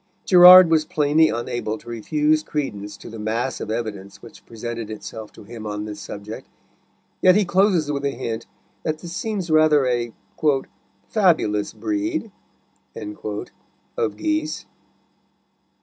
Gerard was plainly unable to refuse credence to the mass of evidence which presented itself to him on this subject, yet he closes with a hint that this seems rather a "fabulous breed" of geese.